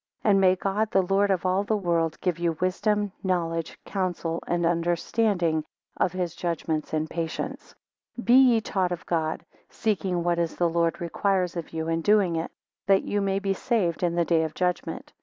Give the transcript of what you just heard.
12 And may God, the Lord of all the world, give you wisdom, knowledge, counsel, and understanding of his judgments in patience: 13 Be ye taught of God; seeking what it is the Lord requires of you, and doing it; that ye may be saved in the day of judgment.